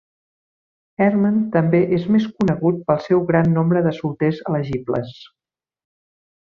Herman també és més conegut pel seu gran nombre de solters elegibles.